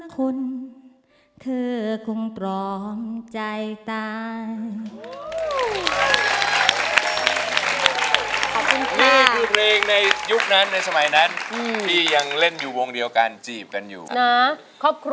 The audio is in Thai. ก่อนเคยปากบน